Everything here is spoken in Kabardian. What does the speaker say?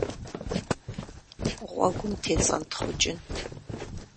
Гъуэгум тецӀэнтхъукӀын.